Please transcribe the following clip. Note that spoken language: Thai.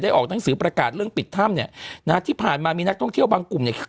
ออกหนังสือประกาศเรื่องปิดถ้ำเนี่ยนะฮะที่ผ่านมามีนักท่องเที่ยวบางกลุ่มเนี่ย